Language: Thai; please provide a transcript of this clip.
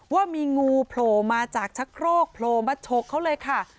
ว่ามีงูโผล่มาจากชักโครกโผล่มาฉกเขาเลยค่ะ